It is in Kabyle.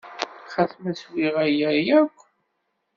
Ɣas ma swiɣ aya akk?